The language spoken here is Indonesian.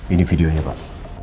ini videonya pak